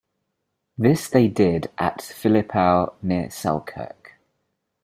This they did at Philliphaugh, near Selkirk.